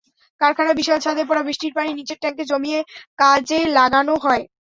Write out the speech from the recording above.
কারখানার বিশাল ছাদে পড়া বৃষ্টির পানি নিচের ট্যাংকে জমিয়ে কাজে লাগানো হয়।